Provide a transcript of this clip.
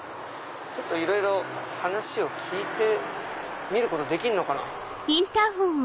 いろいろ話を聞いてみることできるのかな？